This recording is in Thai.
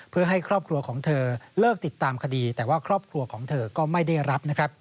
เพื่อให้ครอบครัวของเธอเลิกติดตามคดีแต่ว่าครอบครัวของเธอก็ไม่ได้รับนะครับ